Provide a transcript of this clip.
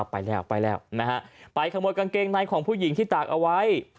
ไปแล้วไปแล้วนะฮะไปขโมยกางเกงในของผู้หญิงที่ตากเอาไว้